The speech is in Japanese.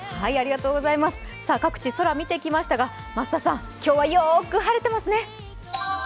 各地、空見てきましたが、今日はよーく晴れてますね。